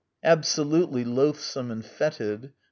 ... Absolutely loathsome and fetid.